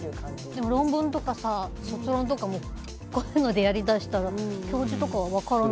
でも論文とか卒論とかもこういうのでやりだしたら教授とかは分からない。